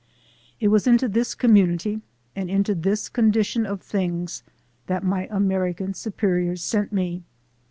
It was into this community and into this condition of things that my American superiors sent me.